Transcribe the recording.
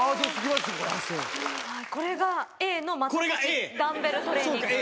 これがＡの股裂きダンベルトレーニング。